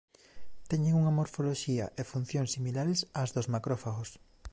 Teñen unha morfoloxía e función similares ás dos macrófagos.